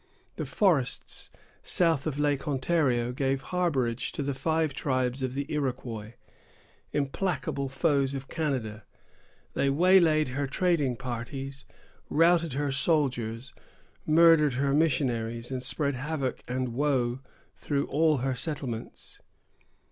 The forests south of Lake Ontario gave harborage to the five tribes of the Iroquois, implacable foes of Canada. They waylaid her trading parties, routed her soldiers, murdered her missionaries, and spread havoc and woe through all her settlements.